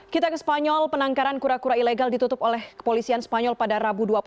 kita ke spanyol penangkaran kura kura ilegal ditutup oleh kepolisian spanyol pada rabu dua puluh